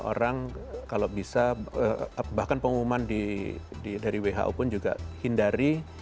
orang kalau bisa bahkan pengumuman dari who pun juga hindari